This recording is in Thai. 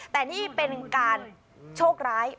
แต่นี่เป็นการโชคร้าย